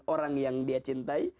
orang yang dia cintai